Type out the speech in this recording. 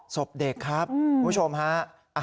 ศพเด็กครับคุณผู้ชมฮะ